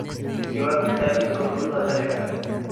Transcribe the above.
Kiwo bitonin kubunu America